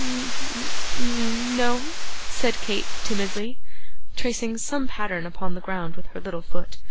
'N n no,' said Kate timidly, tracing some pattern upon the ground with her little foot.